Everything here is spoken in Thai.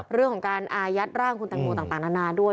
เรื่องของการอายัดร่างคุณตังโมต่างนานาด้วย